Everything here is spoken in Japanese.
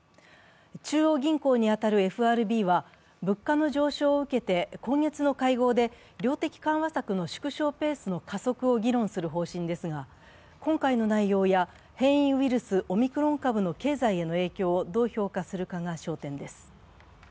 中央銀行に当たるＦＲＢは、物価の上昇を受けて今月の会合で、量的緩和策の縮小ペースの加速を議論する方針ですが、今回の内容や変異ウイルス、オミクロン株の経済への影響をどう評価するかが焦点です。